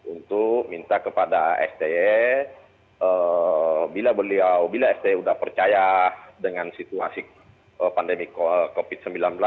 untuk minta kepada sde bila sde sudah percaya dengan situasi pandemi covid sembilan belas